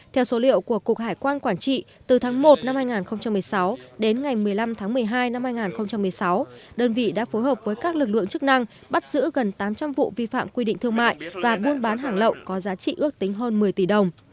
theo số liệu của cục hải quan quản trị từ tháng một năm hai nghìn một mươi sáu đến ngày một mươi năm tháng một mươi hai năm hai nghìn một mươi sáu đơn vị đã phối hợp với các lực lượng chức năng bắt giữ gần tám trăm linh vụ vi phạm quy định thương mại và buôn bán hàng lậu có giá trị ước tính hơn một mươi tỷ đồng